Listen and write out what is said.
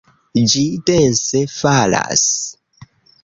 Ĝi dense falas!